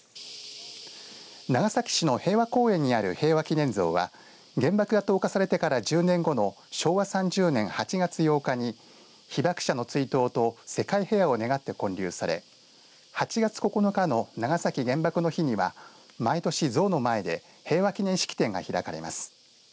長崎市の平和公園にある平和祈念像は原爆が投下されてから１０年後の昭和３０年８月８日に被爆者の追悼と世界平和を願って建立され８月９日の長崎原爆の日には毎年、像の前で平和祈念式典が開かれます。